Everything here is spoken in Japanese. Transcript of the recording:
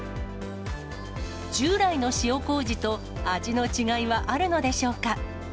従来の塩こうじと、味の違いはあるのでしょうか。